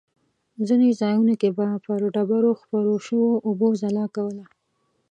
ځینې ځایونو کې به پر ډبرو خپرو شوو اوبو ځلا کوله.